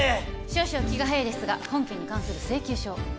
少々気が早いですが本件に関する請求書を。